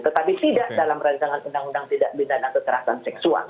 tetapi tidak dalam rancangan undang undang tidak bintang dan kecerahan seksual